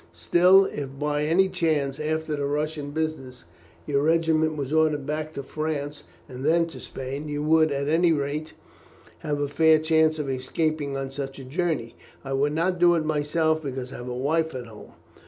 Still, if by any chance, after this Russian business, your regiment was ordered back to France, and then to Spain, you would at any rate have a fair chance of escaping on such a journey. I would not do it myself, because I have a wife at home.